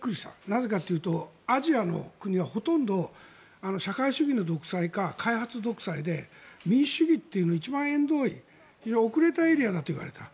なぜかというとアジアの国はほとんど社会主義の独裁か開発独裁で民主主義は遅れたエリアだと言われた。